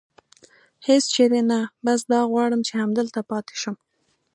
هېڅ چېرې نه، بس دا غواړم چې همدلته پاتې شم.